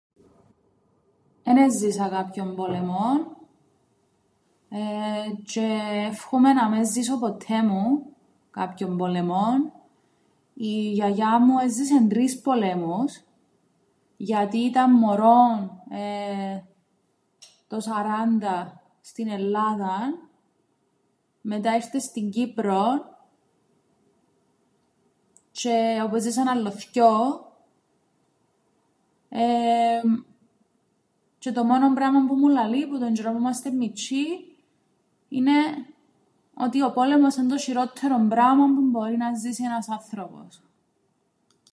Εν έζησα κάποιον πόλεμον εεε τζ̆αι εύχουμαι να μεν ζήσω ποττέ μου κάποιον πόλεμον. Η γιαγιά μου έζησεν τρεις πολέμους γιατί ήταν μωρόν το σαράντα στην Ελλάδαν, μετά ήρτεν στην Κύπρον τζ̆αι όπου έζησεν άλλο θκυο, εεε τζ̆αι το μόνον πράμαν που μου λαλεί που τον τζ̆αιρόν που ήμαστε μιτσ̆οί είναι ότι ο πόλεμος εν' το σ̆ειρόττερον πράμαν που μπορεί να ζήσει ένας άνθρωπος.